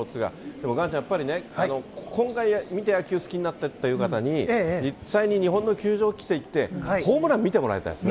でも岩ちゃん、やっぱりね、今回見て、野球好きになったという方に、実際に日本の球場に来てもらって、ホームラン見てもらいたいですね。